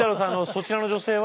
そちらの女性は？